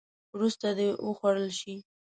وروسته دې وخوړل شي.